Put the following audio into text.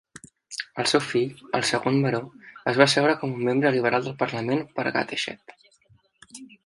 El seu fill, el segon Baró, es va asseure com un membre Liberal del Parlament per Gateshead.